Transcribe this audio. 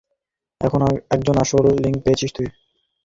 এখন, একজন আসল লিংক পেয়েছিস তুই।